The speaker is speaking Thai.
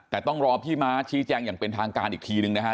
แต่ต้องรอพี่ม้าชี้แจงอย่างเป็นทางการอีกทีนึงนะฮะ